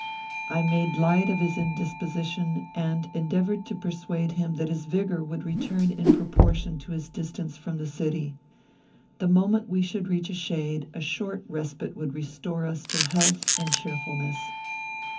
I made light of his indisposition, and endeavoured to persuade him that his vigour would return in proportion to his distance from the city. The moment we should reach a shade, a short respite would restore us to health and cheerfulness.